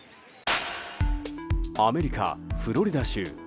アメリカ・フロリダ州。